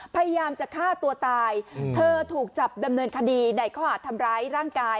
พยายามจะฆ่าตัวตายเธอถูกจับดำเนินคดีในข้อหาดทำร้ายร่างกาย